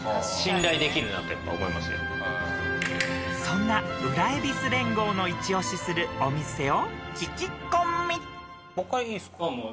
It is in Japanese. ［そんな裏恵比寿連合のイチオシするお店を聞き込み］